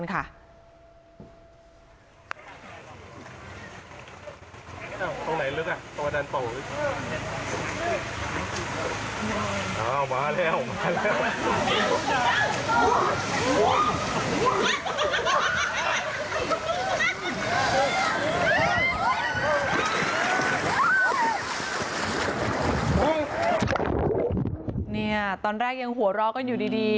เนี่ยตอนแรกยังหัวเราะกันอยู่ดี